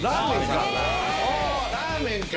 ラーメンか！